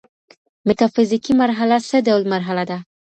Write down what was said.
ميتافزيکي مرحله څه ډول مرحله ده؟